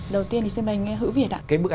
đầu tiên xin mời nghe hữu việt